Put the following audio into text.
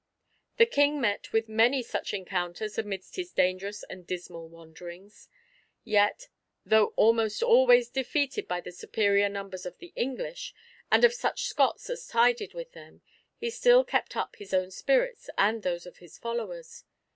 The King met with many such encounters amidst his dangerous and dismal wanderings; yet, though almost always defeated by the superior numbers of the English, and of such Scots as sided with them, he still kept up his own spirits and those of his followers.